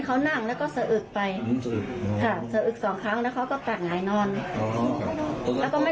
เข้าไปทำงานกับหัวใจอะไรมั้ย